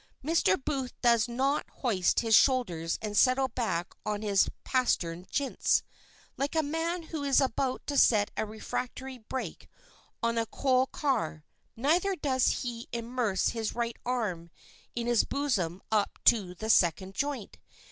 Mr. Booth does not hoist his shoulders and settle back on his "pastern jints" like a man who is about to set a refractory brake on a coal car, neither does he immerse his right arm in his bosom up to the second joint.